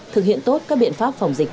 thực hiện tốt các biện pháp phòng dịch